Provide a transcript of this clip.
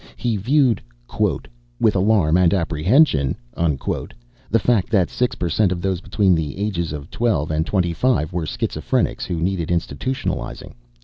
He viewed, quote, with alarm and apprehension, unquote, the fact that six percent of those between the ages of twelve and twenty five were schizophrenics who needed institutionalizing.